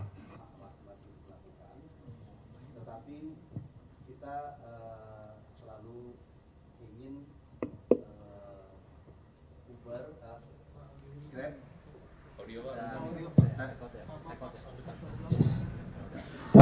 kita selalu ingin uber